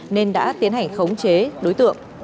nên đã tiến hành khống chế đối tượng